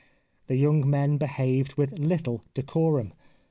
The young men behaved with little decorum.